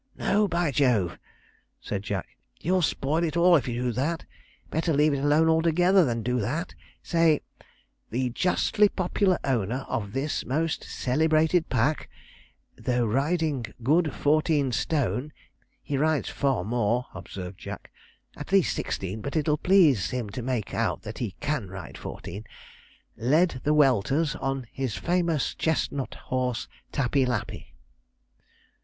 'No, by Jove!' said Jack; 'you'll spoil all if you do that: better leave it alone altogether than do that. Say, "the justly popular owner of this most celebrated pack, though riding good fourteen stone" (he rides far more,' observed Jack; 'at least sixteen; but it'll please him to make out that he can ride fourteen), "led the welters, on his famous chestnut horse, Tappey Lappey."'